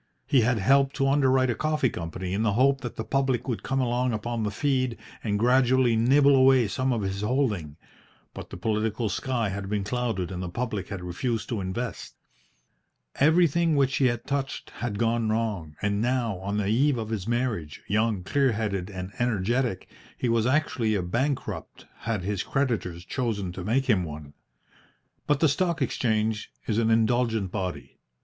He had helped to underwrite a coffee company in the hope that the public would come along upon the feed and gradually nibble away some of his holding, but the political sky had been clouded and the public had refused to invest. Everything which he had touched had gone wrong, and now, on the eve of his marriage, young, clear headed, and energetic, he was actually a bankrupt had his creditors chosen to make him one. But the Stock Exchange is an indulgent body.